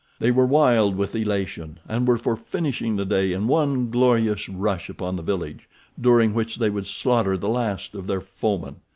They were wild with elation, and were for finishing the day in one glorious rush upon the village, during which they would slaughter the last of their foemen.